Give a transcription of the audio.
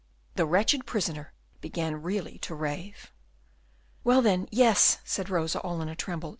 The wretched prisoner began really to rave. "Well, then, yes," said Rosa, all in a tremble.